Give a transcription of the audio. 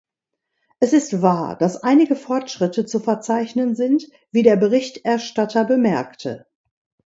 Es ist wahr, dass einige Fortschritte zu verzeichnen sind, wie der Berichterstatter bemerkte.